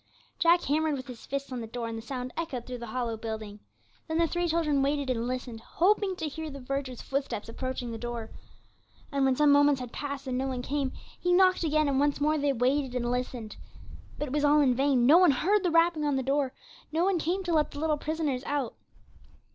Jack hammered with his fists on the door, and the sound echoed through the hollow building. Then the three children waited, and listened, hoping to hear the verger's footsteps approaching the door. And when some moments had passed and no one came, he knocked again, and once more they waited and listened. But it was all in vain; no one heard the rapping on the door, no one came to let the little prisoners out.